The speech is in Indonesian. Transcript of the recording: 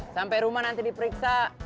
sampai rumah nanti diperiksa